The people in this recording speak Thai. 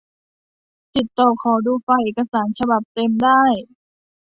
ติดต่อขอดูไฟล์เอกสารฉบับเต็มได้